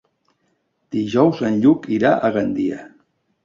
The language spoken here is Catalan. Dijous en Lluc irà a Gandia.